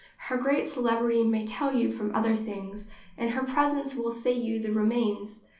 Her great celebrity may tell you from others things, and her presence will say you the remains.